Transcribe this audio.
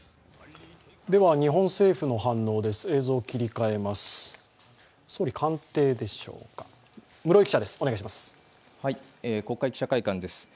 日本政府の反応です。